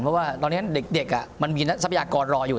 เพราะว่าตอนนี้เด็กมันมีทรัพยากรรออยู่